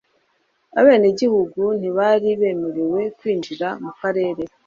Abenegihugu ntibari bemerewe kwinjira mu karere